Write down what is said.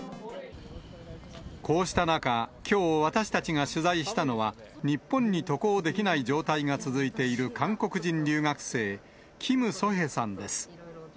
こうした中、きょう、私たちが取材したのは、日本に渡航できない状態が続いている韓国人留学生、キム・ソヘさんです。